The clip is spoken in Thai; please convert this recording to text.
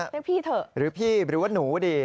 เรียกพี่เถอะหรือพี่หรือว่าหนูดี